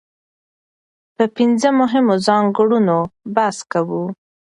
په پنځه مهمو ځانګړنو بحث کوو.